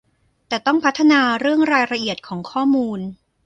แต่ต้องพัฒนาเรื่องรายละเอียดของข้อมูล